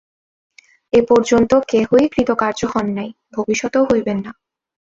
এপর্যন্ত কেহই কৃতকার্য হন নাই, ভবিষ্যতেও হইবেন না।